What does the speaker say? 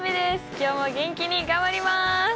今日も元気に頑張ります。